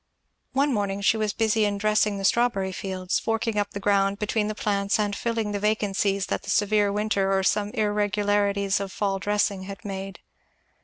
One morning she was busy in dressing the strawberry beds, forking up the ground between the plants and filling the vacancies that the severe winter or some irregularities of fall dressing had made.